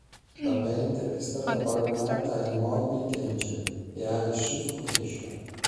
La band è stata paragonata ai Morbid Angel e ai Suffocation.